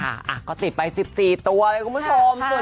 อ่ะก็ติดไป๑๔ตัวเลยคุณผู้ชม